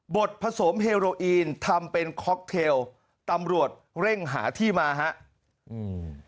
ดผสมเฮโรอีนทำเป็นค็อกเทลตำรวจเร่งหาที่มาฮะอืม